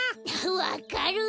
わかる！